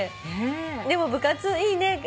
でも部活いいね。